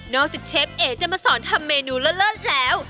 จากเชฟเอ๋จะมาสอนทำเมนูเลิศแล้ว